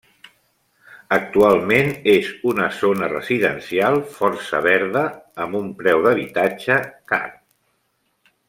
Actualment és una zona residencial força verda amb un preu d'habitatge car.